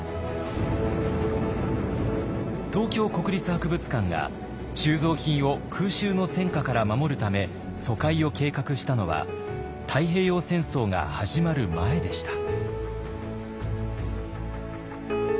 東京国立博物館が収蔵品を空襲の戦火から守るため疎開を計画したのは太平洋戦争が始まる前でした。